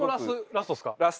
ラスト。